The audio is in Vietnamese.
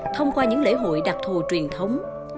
thông qua những lễ hội đặc thù truyền thống